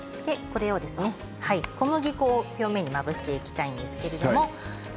小麦粉を表面にまぶしていきたいと思うんですけれども。